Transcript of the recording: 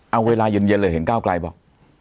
เอาเวลาอยู่เล็กเห็นก้าวกลัยป่ะ